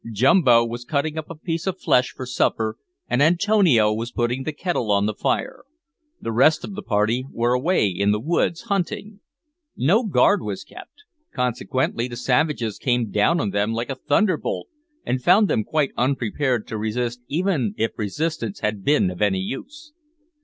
Jumbo was cutting up a piece of flesh for supper, and Antonio was putting the kettle on the fire. The rest of the party were away in the woods hunting. No guard was kept; consequently the savages came down on them like a thunderbolt, and found them quite unprepared to resist even if resistance had been of any use.